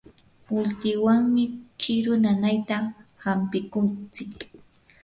ultuwanmi kiru nanayta hampikuntsik.